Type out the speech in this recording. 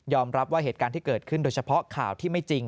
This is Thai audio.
รับว่าเหตุการณ์ที่เกิดขึ้นโดยเฉพาะข่าวที่ไม่จริง